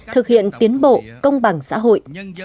thực hiện tiến bộ công bằng xã hội